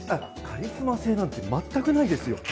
カリスマ性なんて全くないですよ！